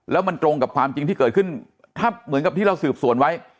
แล้วมันตรงกับความจริงที่เกิดขึ้นถ้าเหมือนกับที่เราสืบสวนไว้